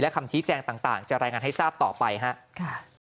คำชี้แจงต่างจะรายงานให้ทราบต่อไปครับ